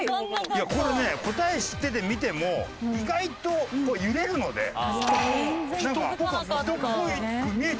いやこれね答え知ってて見ても意外と揺れるので人っぽく見えちゃうの。